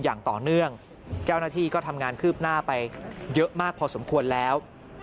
อย่างต่อเนื่องเจ้าหน้าที่ก็ทำงานคืบหน้าไปเยอะมากพอสมควรแล้ว